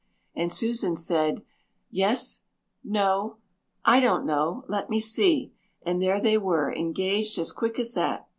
And Susan said, 'Yes no I don't know let me see' and there they were, engaged as quick as that.